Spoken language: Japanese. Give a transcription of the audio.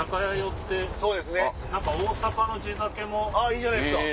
いいじゃないですか！